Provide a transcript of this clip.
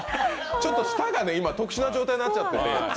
舌が今、特殊な状態になっちゃってて。